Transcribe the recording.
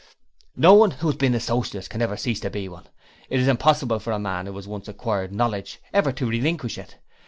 'No one who has been a Socialist can ever cease to be one. It is impossible for a man who has once acquired knowledge ever to relinquish it.